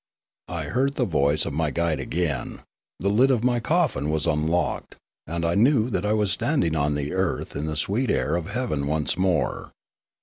I heard the voice of my guide again ; the lid of my coffin was unlocked, and I knew that I was standing on the earth in the sweet air of heaven once more.